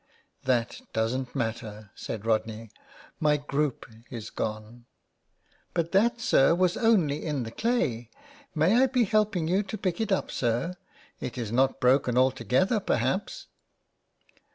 " That doesn't matter," said Rodney. " My group is gone." " But that, sir, was only in the clay. May I be helping you to pick it up, sir? It is not broken altogether, perhaps."